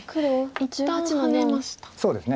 一旦ハネました。